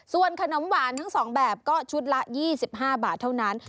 ส่วนขนมหวานทั้ง๒แบบก็ชุดละ๒๕บาทเท่านั้น